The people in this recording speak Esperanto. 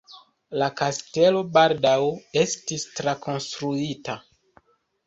La kastelo baldaŭ estis trakonstruita.